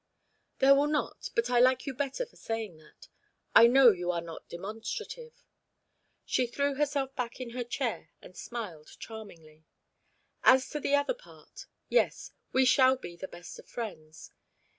"There will not, but I like you better for saying that I know you are not demonstrative." She threw herself back in her chair and smiled charmingly. "As to the other part yes, we shall be the best of friends.